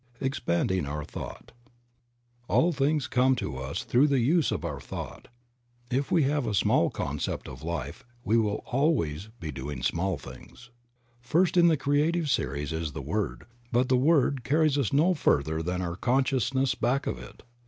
EXPANDING OUR THOUGHT. J^LL things come to us through the use of our thought. If we have a small concept of life we will always be doing small things. First in the creative series is the Word, 'but the Word carries us no further than our con sciousness back of it.